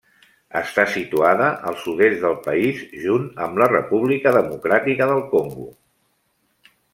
Està situada al sud-est del país, junt amb la República Democràtica del Congo.